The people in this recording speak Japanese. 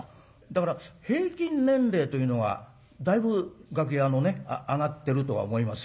だから平均年齢というのはだいぶ楽屋のね上がってるとは思いますよ。